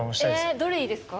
えどれいいですか？